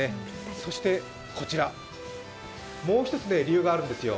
そしてこちら、もう一つ理由があるんですよ。